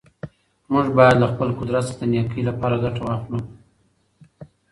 موږ باید له خپل قدرت څخه د نېکۍ لپاره ګټه واخلو.